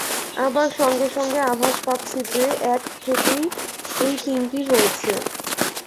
আবার সঙ্গে সঙ্গে আভাস পাচ্ছি যে, এক থেকেই এই তিনটি হয়েছে।